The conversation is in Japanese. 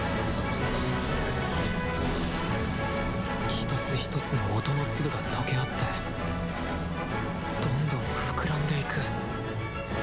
一つ一つの音の粒が溶け合ってどんどん膨らんでいく。